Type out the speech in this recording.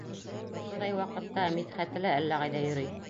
Ошондай ваҡытта Мидхәте лә әллә ҡайҙа йөрөй.